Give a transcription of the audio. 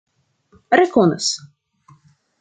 rekonas